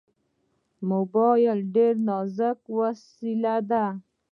موبایل ډېر نازک وسیله ده.